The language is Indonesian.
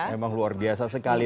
memang luar biasa sekali